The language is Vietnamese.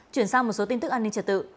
chuyển sang một số tin tức an ninh trật tự